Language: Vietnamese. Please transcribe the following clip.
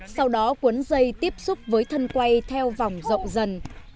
sau đó cuốn dây tiếp xúc với thân quay theo vòng rộng dần